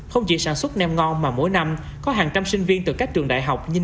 không chỉ sản xuất nem ngon mà mỗi năm có hàng trăm sinh viên từ các trường đại học như